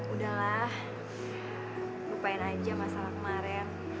udahlah lupain aja masalah kemarin